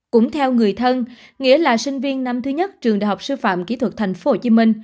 cũng theo người thân nghĩa là sinh viên năm thứ nhất trường đại học sư phạm kỹ thuật tp hcm